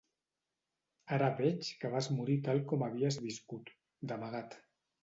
Ara veig que vas morir tal com havies viscut: d'amagat.